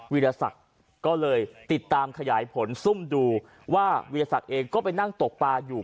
วิทยาศักดิ์ก็เลยติดตามขยายผลซุ่มดูว่าวิทยาศักดิ์เองก็ไปนั่งตกปลาอยู่